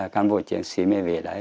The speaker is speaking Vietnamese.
căn bộ chiến sĩ mới về đấy